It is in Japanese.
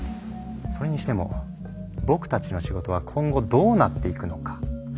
それにしても僕たちの仕事は今後どうなっていくのか？